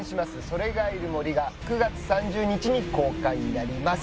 『“それ”がいる森』が９月３０日に公開になります。